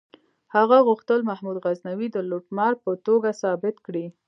هغه غوښتل محمود غزنوي د لوټمار په توګه ثابت کړي.